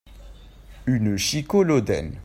Une Chikolodenn.